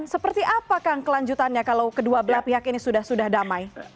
seperti apa kang kelanjutannya kalau kedua belah pihak ini sudah sudah damai